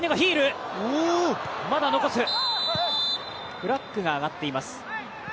フラッグが上がっています。